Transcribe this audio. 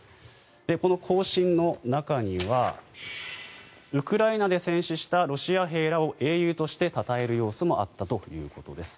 この行進の中にはウクライナで戦死したロシア兵らを英雄としてたたえる様子もあったということです。